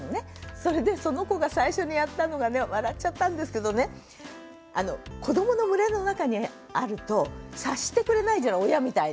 それでその子が最初にやったのがね笑っちゃったんですけどね子どもの群れの中にあると察してくれないじゃない親みたいに。